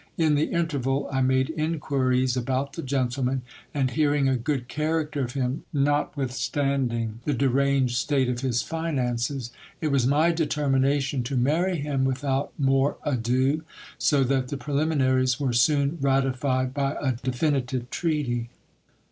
In this interval, I made inquiries about the gentleman ; and hearing a good character of him, notwithstanding the deranged state of his finances, it was my determination to marry him without more ado, so that the preliminaries were soon ratified by a definitive treaty.